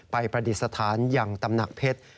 ประดิษฐานอย่างตำหนักเพชร